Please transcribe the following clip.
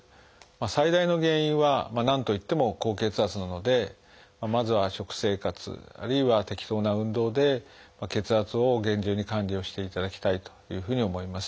最大の原因は何といっても高血圧なのでまずは食生活あるいは適当な運動で血圧を厳重に管理をしていただきたいというふうに思います。